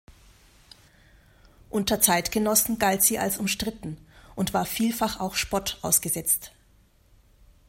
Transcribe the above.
Unter Zeitgenossen galt sie als umstritten und war vielfach auch Spott ausgesetzt.